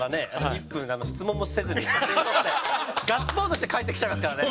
１分質問もせずに写真撮ってガッツポーズして帰ってきちゃいますからね。